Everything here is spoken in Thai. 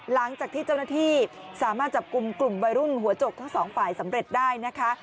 หลังจากที่เจ้าหน้าที่สามารถจับกลุ่มกลุ่มวัยรุ่นหัวจกทั้งสองฝ่ายสำเร็จได้นะคะ